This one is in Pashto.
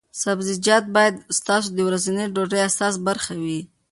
سبزیجات باید ستاسو د ورځنۍ ډوډۍ اساسي برخه وي.